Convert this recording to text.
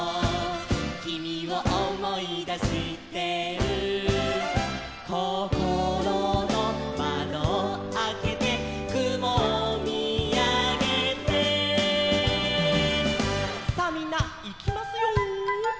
「君を思い出してる」「こころの窓をあけて」「雲を見あげて」さあみんないきますよ。